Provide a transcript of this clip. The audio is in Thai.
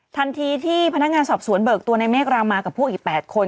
ทันทีที่พนักงานสอบสวนเบิกตัวในเมฆรามากับพวกอีก๘คน